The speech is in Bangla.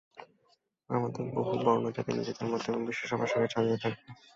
আমাদের বহু বর্ণ-জাতি নিজেদের মধ্যে এবং বিশ্বের সবার সঙ্গে শান্তিতে থাকবে।